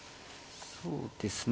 そうですね